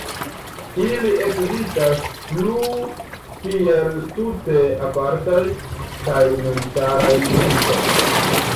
Ili ekzistas plu kiel tute apartaj kaj memstaraj lingvoj.